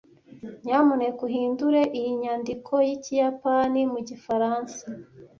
Nyamuneka uhindure iyi nyandiko yikiyapani mugifaransa.